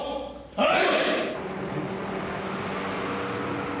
はい！